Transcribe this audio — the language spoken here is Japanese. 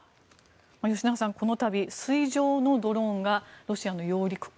吉永さん、この度水上のドローンがロシアの揚陸艦